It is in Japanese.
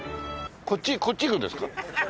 こっちこっち行くんですか？